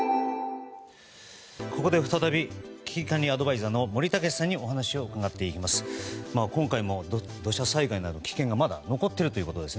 ここで再び危機管理アドバイザーの森健さんにお話を伺っていきます。